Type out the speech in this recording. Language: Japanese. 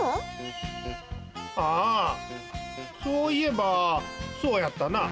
あそういえばそうやったな。